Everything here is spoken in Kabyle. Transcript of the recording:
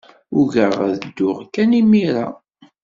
Ugaɣ ad dduɣ kan imir-a.